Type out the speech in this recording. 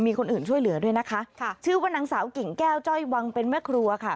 มีคนอื่นช่วยเหลือด้วยนะคะค่ะชื่อว่านางสาวกิ่งแก้วจ้อยวังเป็นแม่ครัวค่ะ